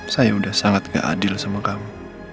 saya udah sangat gak adil sama kamu